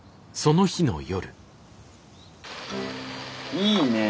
いいねえ。